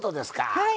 はい。